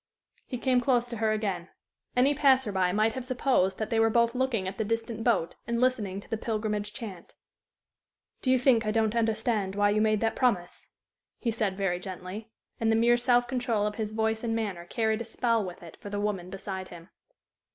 He came close to her again. Any passer by might have supposed that they were both looking at the distant boat and listening to the pilgrimage chant. "Do you think I don't understand why you made that promise?" he said, very gently, and the mere self control of his voice and manner carried a spell with it for the woman beside him.